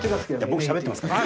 僕しゃべってますから。